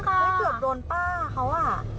เกือบโดนป้าเขาอ่ะ